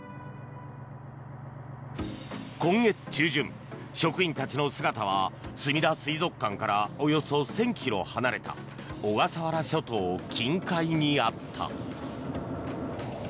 今月中旬、職員たちの姿はすみだ水族館からおよそ１０００ｋｍ離れた小笠原諸島近海にあった。